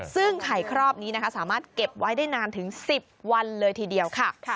ซึ่งไข่ครอบนี้นะคะสามารถเก็บไว้ได้นานถึง๑๐วันเลยทีเดียวค่ะ